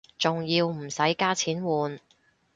仲要唔使加錢換